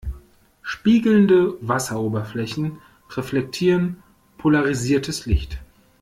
Spiegelnde Wasseroberflächen reflektieren polarisiertes Licht.